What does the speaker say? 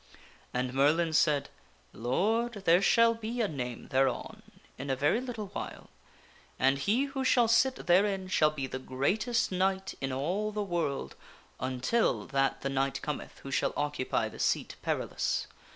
And Merlin said :" Lord, there shall be a name thereon in a very little while, and he who shall sit therein shall be the greatest knight in all the world until that the knight cometh who shall occupy the Seat Perilous.